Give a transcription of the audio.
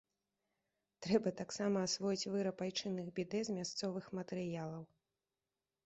Трэба таксама асвоіць выраб айчынных бідэ з мясцовых матэрыялаў!